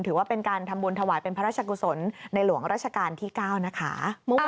ถือว่าเป็นการทำบุญถวายเป็นพระราชกุศลในหลวงราชการที่๙นะคะ